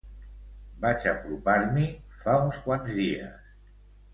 Vaig apropar-m'hi fa uns quants dies.